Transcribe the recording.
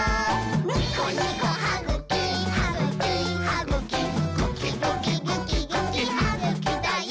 「ニコニコはぐきはぐきはぐきぐきぐきぐきぐきはぐきだよ！」